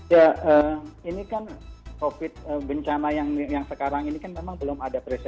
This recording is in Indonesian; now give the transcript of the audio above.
ya ini kan covid bencana yang sekarang ini kan memang belum ada presiden